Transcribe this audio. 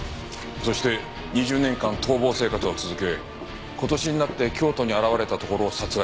そして２０年間逃亡生活を続け今年になって京都に現れたところを殺害された。